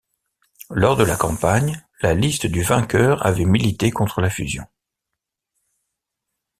Lors de la campagne, la liste du vainqueur avait milité contre la fusion.